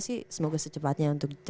sih semoga secepatnya untuk